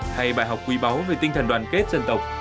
hay bài học quý báu về tinh thần đoàn kết dân tộc